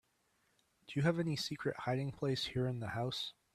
Do you have any secret hiding place here in the house?